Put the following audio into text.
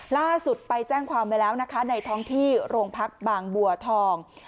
ล่าสุดไปแจ้งความไว้แล้วนะคะในท้องที่โรงพักบางบัวทอง